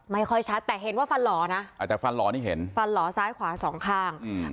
ไม่ค่อยชัดแต่เห็นว่าฟันหล่อนะอ่าแต่ฟันหล่อนี่เห็นฟันหล่อซ้ายขวาสองข้างอืม